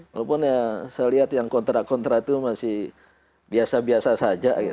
walaupun saya lihat kontra kontra itu masih biasa biasa saja